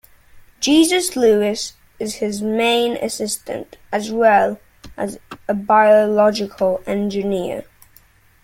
Jesus Lewis is his main assistant as well as a biological engineer.